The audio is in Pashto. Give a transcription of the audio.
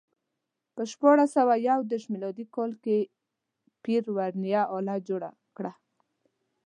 په شپاړس سوه یو دېرش میلادي کال کې پير ورنیه آله جوړه کړه.